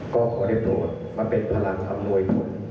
ก็ก็ได้โดดมาเป็นพลังอำนวยทุน